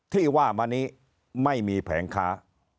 ที่ว่ามานี้ไม่มีแผงค้า